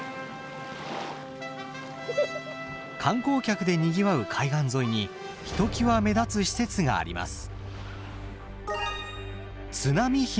観光客でにぎわう海岸沿いにひときわ目立つ施設があります。